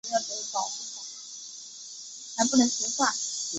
则弗里曼照字面上来看就是自由之人。